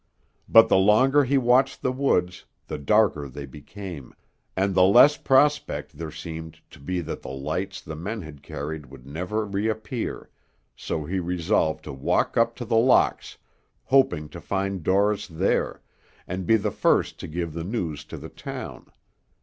But the longer he watched the woods, the darker they became, and the less prospect there seemed to be that the lights the men had carried would ever reappear, so he resolved to walk up to The Locks, hoping to find Dorris there, and be the first to give the news to the town.